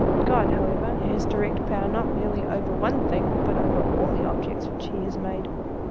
God, however, has direct power not merely over one thing, but over all the objects which he has made.